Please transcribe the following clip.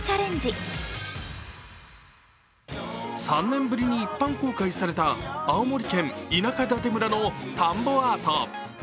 ３年ぶりに一般公開された青森県田舎館村の田んぼアート。